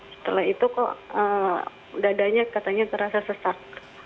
setelah itu kok dadanya katanya terasa sesak